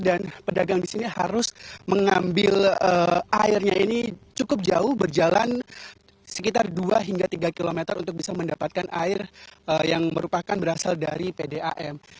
dan pedagang di sini harus mengambil airnya ini cukup jauh berjalan sekitar dua hingga tiga km untuk bisa mendapatkan air yang merupakan berasal dari pdam